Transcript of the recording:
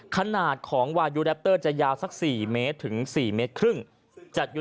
ขนาดของวายูแรปเตอร์จะยาวสัก๔เมตรถึง๔เมตรครึ่งจัดอยู่